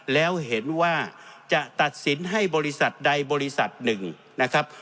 แล้วเห็นว่าจะตัดสินให้บริษัทใดบริษัทหนึ่งนะครับ